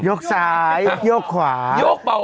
โยกซ้ายโยกขวา